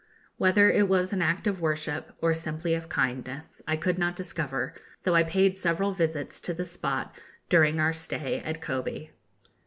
Whether it was an act of worship, or simply of kindness, I could not discover, though I paid several visits to the spot during our stay at Kobe.